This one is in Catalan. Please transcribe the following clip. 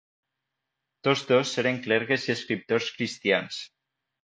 Tots dos eren clergues i escriptors cristians.